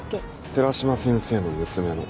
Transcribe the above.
寺島先生の娘の。